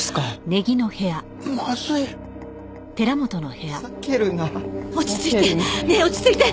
ねえ落ち着いて。